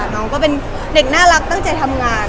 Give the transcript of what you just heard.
น้องก็เป็นเด็กน่ารักตั้งใจทำงาน